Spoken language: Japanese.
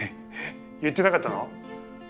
言ってなかったの？